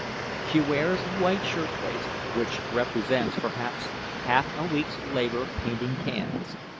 She wears a white shirtwaist, which represents, perhaps, half a week's labor painting cans.